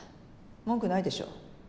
文句ないでしょ？